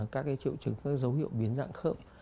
các cái triệu chứng các cái dấu hiệu biến dạng khớp